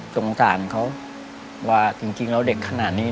สงสารเขาว่าจริงแล้วเด็กขนาดนี้